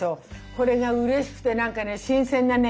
これがうれしくてなんかね新鮮なね